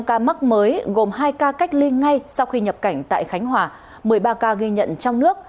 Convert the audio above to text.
một mươi năm ca mắc mới gồm hai ca cách ly ngay sau khi nhập cảnh tại khánh hòa một mươi ba ca ghi nhận trong nước